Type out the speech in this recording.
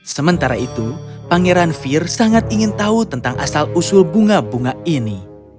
sementara itu pangeran fir sangat ingin tahu tentang asal usul bunga bunga ini